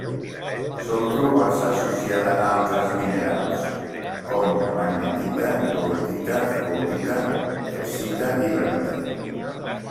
Sol trobar-se associada a altres minerals com: magnetita, goethita, fluorita, calcita i barita.